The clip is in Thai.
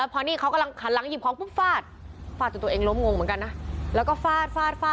พอเนี่ยขันหลังหหยิบคล้องพุ้ฟฟาดพาดจนรวมงงเหมือนกันนะ